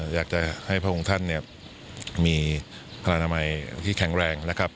อยากจะให้พระองค์ท่านเนี่ยมีพระนามัยที่แข็งแรงนะครับ